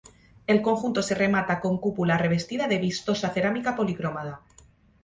El conjunto se remata con cúpula revestida de vistosa cerámica policromada.